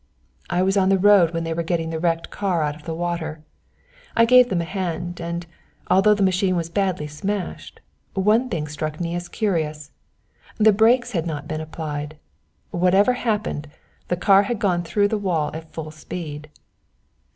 " I was on the road when they were getting the wrecked car out of the water. I gave them a hand, and, although the machine was badly smashed, one thing struck me as very curious. The brakes had not been applied whatever happened, the car had gone through the wall at full speed."